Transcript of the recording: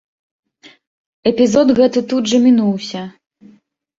Эпізод гэты тут жа мінуўся.